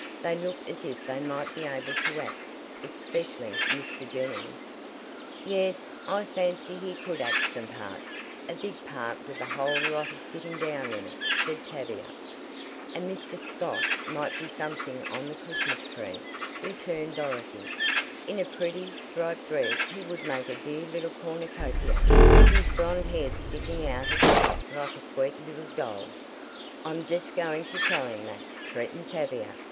"They look as if they might be able to act, especially Mr. Jennings." "Yes, I fancy he could act some parts a big part with a whole lot of sitting down in it," said Tavia. "And Mr. Scott might be something on the Christmas tree," returned Dorothy. "In a pretty, striped dress he would make a dear little cornucopia, his blond head sticking out of the top like a sweet little doll." "I'm just going to tell him that," threatened Tavia.